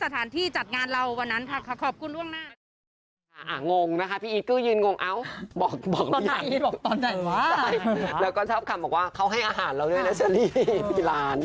ตอนไหนวะใช่แล้วก็ชอบขับบอกว่าเขาให้อาหารเราด้วยนะเชลลี่ที่ร้าน